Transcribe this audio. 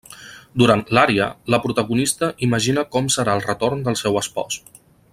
Durant l'ària, la protagonista imagina com serà el retorn del seu espòs.